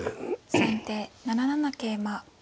先手７七桂馬。